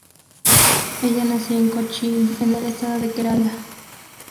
Ella nació en Cochín, en el estado de Kerala.